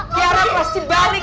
tiara pasti balik